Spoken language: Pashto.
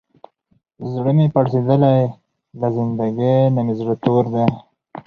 زړه مې پړسېدلی، له زندګۍ نه مې زړه تور دی.